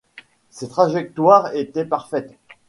Ses trajectoires étaient parfaites.